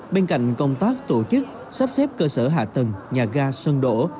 bên cạnh công tác tổ chức sắp xếp cơ sở hạ tầng nhà ga sân đổ